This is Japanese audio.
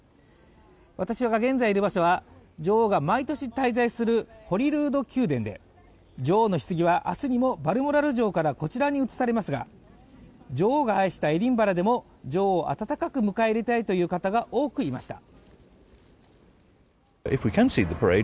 私が現在いる場所は、女王が毎年滞在するホリールード宮殿で、女王のひつぎは明日にもバルモラル城からこちらに移されますが女王が愛したエディンバラでも女王を温かく迎え入れたいという方が多くいました。